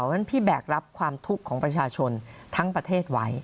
เพราะฉะนั้นพี่แบกรับความทุกข์ของประชาชนทั้งประเทศไว้